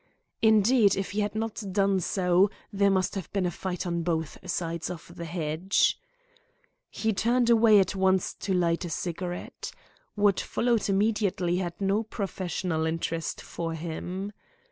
Indeed, if he had not done so, there must have been a fight on both sides of the hedge. He turned away at once to light a cigarette. What followed immediately had no professional interest for him.